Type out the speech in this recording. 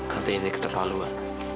tante ini keterlaluan